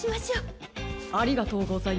ありがとうございます。